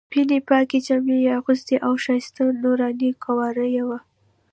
سپینې پاکې جامې یې اغوستې او ښایسته نوراني قواره یې وه.